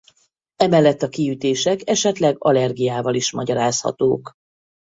Emellett a kiütések esetleg allergiával is magyarázhatók.